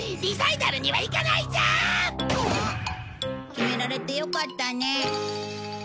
決められてよかったね。